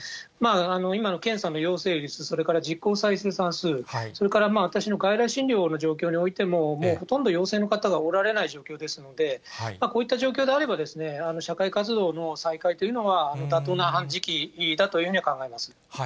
今の検査の陽性率、それから実効再生産数、それから私の外来診療の状況においてももうほとんど陽性の方がおられない状況ですので、こういった状況であれば、社会活動の再開というのは、妥当な時期だというふうには考えます。